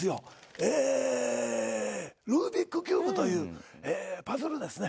えー、ルービックキューブというパズルですね。